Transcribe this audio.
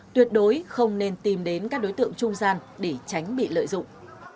tuyệt đối không nên tìm đến các đối tượng trung gian để tránh bị lợi dụng